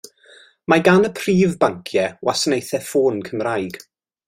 Mae gan y prif banciau wasanaethau ffôn Cymraeg.